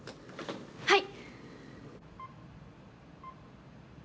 はい。